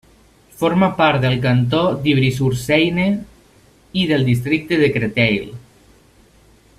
Forma part del cantó d'Ivry-sur-Seine i del districte de Créteil.